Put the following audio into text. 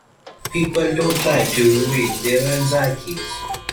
People don't like to reveal their anxieties.